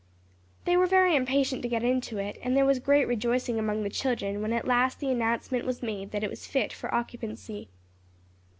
They were very impatient to get into it; and there was great rejoicing among the children when at last the announcement was made that it was fit for occupancy.